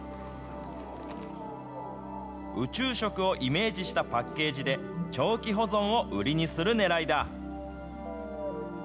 宇宙食をイメージしたパッケージで長期保存を売りにするねらいだ。